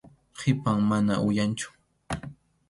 Qhipan, mana uyanchu.